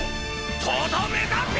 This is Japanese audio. とどめだビ！